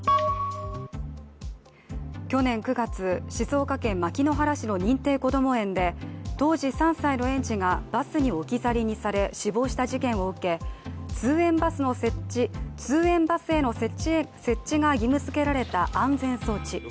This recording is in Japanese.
去年９月、静岡県牧之原市の認定こども園で当時３歳の園児がバスに置き去りにされ死亡した事件を受け通園バスへの設置が義務付けられた安全装置。